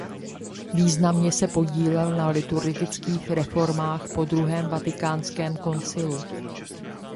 Významně se podílel na liturgických reformách po druhém vatikánském koncilu.